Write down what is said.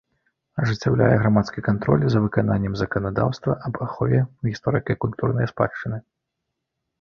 Ажыццяўляе грамадскі кантроль за выкананнем заканадаўства аб ахове гісторыка-культурнай спадчыны.